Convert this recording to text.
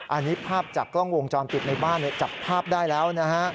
อันนี้ภาพจากกล้องวงจรปิดในบ้านจับภาพได้แล้วนะฮะ